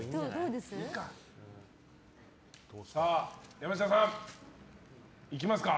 山下さん、いきますか？